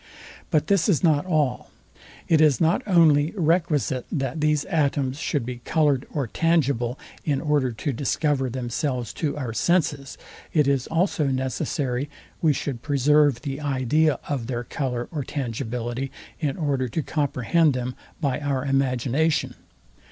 But this is not all. It is not only requisite, that these atoms should be coloured or tangible, in order to discover themselves to our senses; it is also necessary we should preserve the idea of their colour or tangibility in order to comprehend them by our imagination.